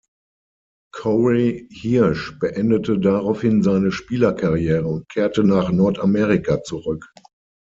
Corey Hirsch beendete daraufhin seine Spielerkarriere und kehrte nach Nordamerika zurück.